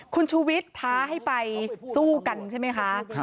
คุณชูวิทย์ท้าให้ไปสู้กันใช่ไหมคะ